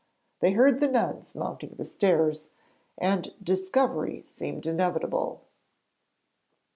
They heard the nuns mounting the stairs, and discovery seemed inevitable.